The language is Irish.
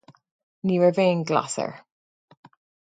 Ní raibh aon ghlas air.